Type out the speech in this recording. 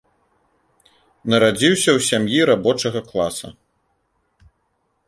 Нарадзіўся ў сям'і рабочага класа.